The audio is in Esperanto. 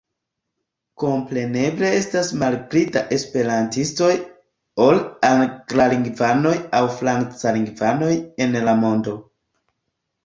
Kompreneble estas malpli da esperantistoj ol anglalingvanoj aŭ franclingvanoj en la mondo.